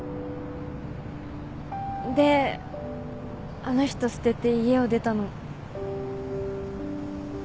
であの人捨てて家を出たの。